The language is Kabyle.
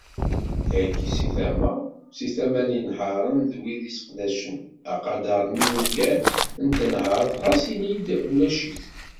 Tagi si tama, si tama n yinehharen d wid isseqdacen, aqader n yilugan n tenhert ɣas ini-d ulac-it.